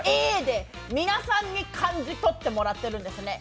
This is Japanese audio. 「えー」で皆さんに感じ取ってもらってるんです。